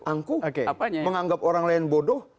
angku menganggap orang lain bodoh